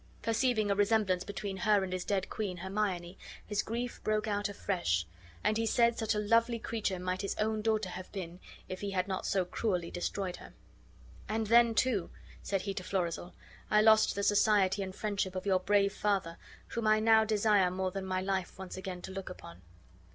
Perceiving a resemblance between her and his dead queen Hermione, his grief broke out afresh, and he said such a lovely creature might his own daughter have been if he had not so cruelly destroyed her. "And then, too," said he to Florizel, "I lost the society and friendship of your brave father, whom I now desire more than my life once again to look upon."